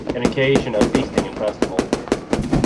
An occasion of feasting and festival.